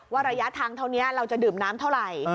ระยะทางเท่านี้เราจะดื่มน้ำเท่าไหร่